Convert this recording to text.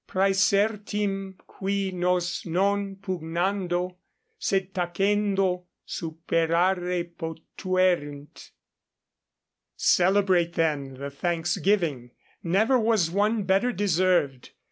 praesertim qui nos non pugnando, sed tacendo superare potuerint. _Celebrate, then, the thanksgiving: never was one better deserved.